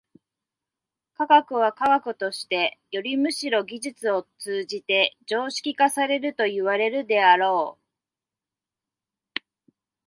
科学は科学としてよりむしろ技術を通じて常識化されるといわれるであろう。